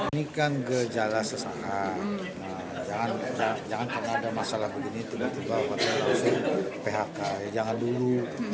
ini kan gejala sesak jangan karena ada masalah begini tiba tiba waktu langsung phk jangan dulu